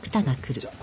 じゃあ。